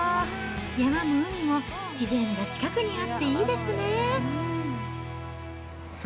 山も海も自然が近くにあっていいですね。